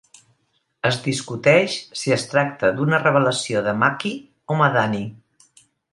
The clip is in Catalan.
Es discuteix si es tracta d'una revelació de Makki o Madani.